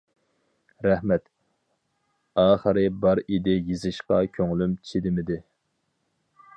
رەھمەت، ئاخىرى بار ئىدى يېزىشقا كۆڭلۈم چىدىمىدى.